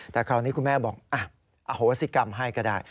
แต่คราวนี้คุณแม่บอกอโหสิกรรมให้ก็ได้